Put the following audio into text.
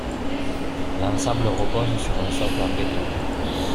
L'ensemble repose sur un socle en béton.